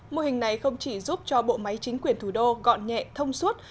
mô hình này không chỉ giúp cho bộ máy chính quyền thủ đô gọn nhẹ thông suốt